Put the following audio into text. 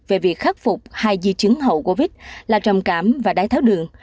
về việc khắc phục hai di chứng hậu covid là trầm cảm và đái tháo đường